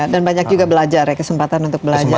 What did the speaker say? dan banyak juga belajar ya kesempatan untuk belajar